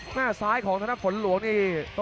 หน้าซ้ายของธนฝนหลวงนี่